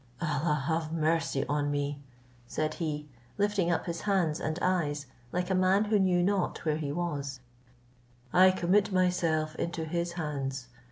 "Allah have mercy on me!" said he, lifting up his hands and eyes, like a man who knew not where he was; "I commit myself into his hands.